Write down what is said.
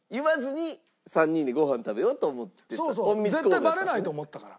絶対バレないと思ったから。